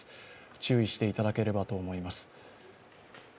注意していただければと思います。